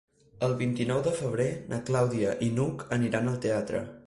El vint-i-nou de febrer na Clàudia i n'Hug aniran al teatre.